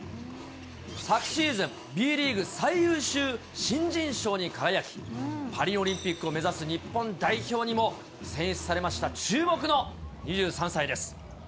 昨シーズン、Ｂリーグ最優秀新人賞に輝き、パリオリンピックを目指す日本代表にも選出されました、注目の２３歳です。